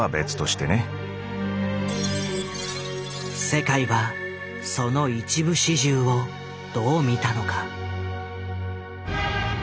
世界はその一部始終をどう見たのか。